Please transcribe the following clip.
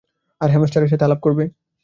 আমার হ্যামস্টারের সাথে আলাপ করবে?